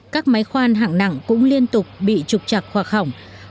các máy khoan hạng nặng cũng liên tục bị trục chặt hoặc hỏng